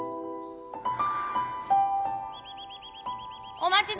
・お待ち遠！